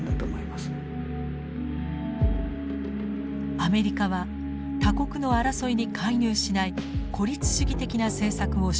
アメリカは他国の争いに介入しない孤立主義的な政策を修正していきます。